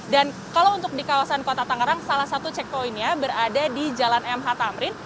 dan kalau untuk di kawasan kota tanggrang salah satu checkpointnya berada di jalan mh tamrin